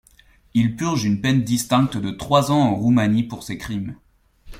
Il purge une peine distincte de trois ans en Roumanie pour ces crimes.